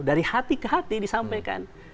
dari hati ke hati disampaikan